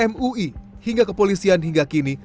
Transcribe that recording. mui hingga kepolisian hingga kini